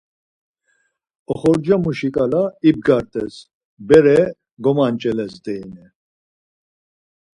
Oxorca muşi ǩala ibgart̆es, bere gomanç̌eles deyine.